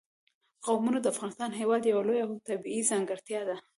قومونه د افغانستان هېواد یوه لویه او طبیعي ځانګړتیا ده.